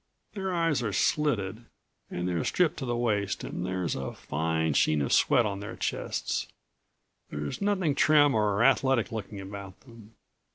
Their eyes are slitted and they're stripped to the waist and there is a fine sheen of sweat on their chests. There is nothing trim or athletic looking about them.